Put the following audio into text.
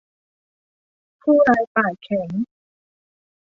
ผู้ร้ายปากแข็ง